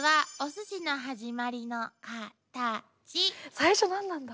最初何なんだ。